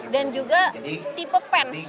dan juga tipe pens